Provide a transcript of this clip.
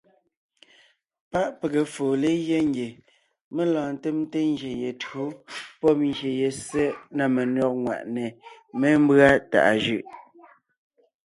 Páʼ pege foo legyɛ́ ngie mé lɔɔn ńtemte ngyè ye tÿǒ pɔ́b ngyè ye ssé na menÿɔ́g ŋwàʼne mémbʉ́a tàʼa jʉʼ.